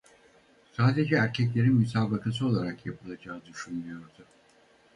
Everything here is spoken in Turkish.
Sadece erkeklerin müsabakası olarak yapılacağı düşünülüyordu.